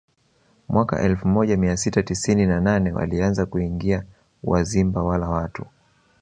Mwaka elfu moja mia sita tisini na nane walianza kuingia Wazimba wala watu